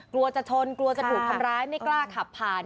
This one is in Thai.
กลัวจะชนกลัวจะถูกทำร้ายไม่กล้าขับผ่าน